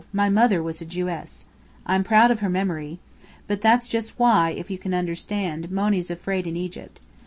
my mother was a Jewess. I'm proud of her memory. But that's just why, if you can understand, Monny's afraid in Egypt.